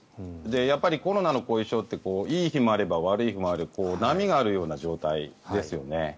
やっぱりコロナの後遺症っていい日もあれば悪い日もある波があるような状態ですよね。